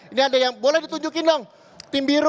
ini ada yang boleh ditunjukin dong tim biru